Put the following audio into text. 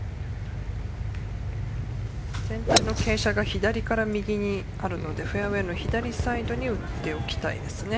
全体の傾斜が左から右にあるのでフェアウェイの左サイドに打っておきたいですね。